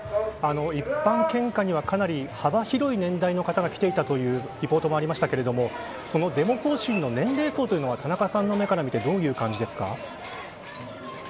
一般献花にはかなり幅広い年代の方が来ていたというリポートもありましたがそのデモ行進の年齢層は田中さんの目から見てどういう感じですか？